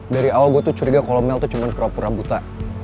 dari awal gue tuh curiga kalo mel tuh cuma kerapura buta